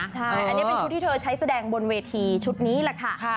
ใช่อันนี้เป็นชุดที่เธอใช้แสดงบนเวทีชุดนี้แหละค่ะ